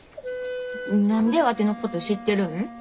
何でワテのこと知ってるん？